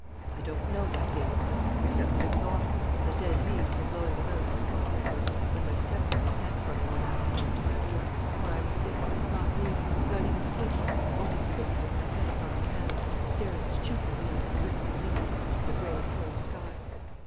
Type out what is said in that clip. "I don't know what day it was, except that it was autumn, and the dead leaves were blowing about in the quadrangle, when my stepmother sent for me one afternoon to my room, where I was sitting, not reading, not even thinking only sitting with my head upon my hands, staring stupidly out at the drifting leaves and the gray, cold sky.